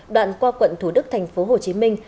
đoạn qua quận thủ đức thành phố hồ chí minh